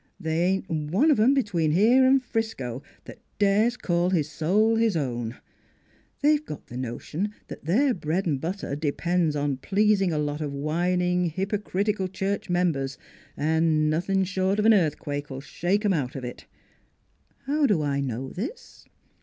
They ain't one of 'em between here an' Frisco that dares call his soul his own. They've got the no tion that their bread and butter depends upon pleasing a lot of whining, hypocritical church members, an' nothing short of an earthquake '11 shake 'em out of it. How do I know this?